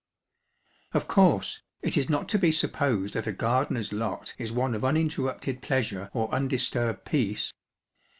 Of course it is not to be supposed that a gardener's lot is one of uninterrupted pleasure or undisturbed peace.